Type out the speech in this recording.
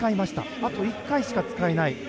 あと１回しか使えない。